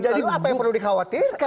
apa yang perlu dikhawatirkan